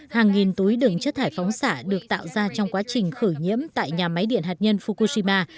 hàng nghìn túi đường chất thải phóng xạ được tạo ra trong quá trình khử nhiễm tại nhà máy điện hạt nhân fukushima